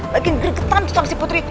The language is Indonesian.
makin gergetan tuh sama si putri